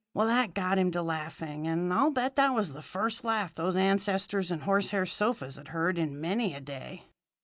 Well, that got him to laughing, and I'll bet that was the first laugh those ancestors and horsehair sofas had heard in many a day.